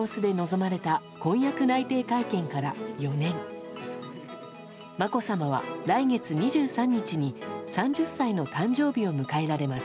まこさまは来月２３日に３０歳の誕生日を迎えられます。